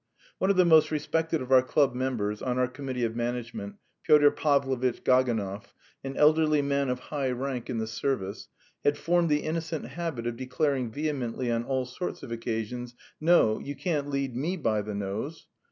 One of the most respected of our club members, on our committee of management, Pyotr Pavlovitch Gaganov, an elderly man of high rank in the service, had formed the innocent habit of declaring vehemently on all sorts of occasions: "No, you can't lead me by the nose!"